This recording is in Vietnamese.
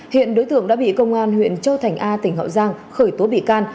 hiện đối tượng đã bị công an huyện châu thành a tỉnh hậu giang khởi tố bị can